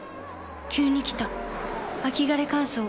急に来た秋枯れ乾燥。